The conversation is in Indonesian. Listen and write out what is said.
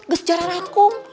ke sejarah rangkung